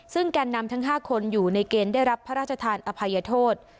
ซึ่งแก่นนำทั้ง๕คนอยู่ในเกณฑ์ได้รับพระราชทานอภัยโทษ